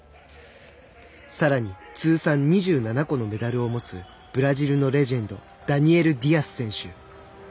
さらに通算２７個のメダルを持つブラジルのレジェンドダニエル・ディアス選手。